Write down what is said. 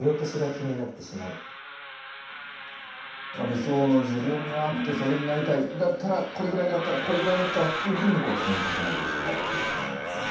理想の自分があって、それになりたい、だったらこれぐらいだったら、これぐらいだったらっていうふうに、積み重なってしまうということなんですかね。